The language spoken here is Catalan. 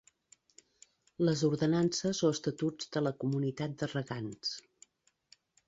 Les ordenances o estatuts de la comunitat de regants.